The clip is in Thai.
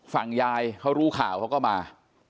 ฝั่งยายเขารู้ข่าวเขาก็มา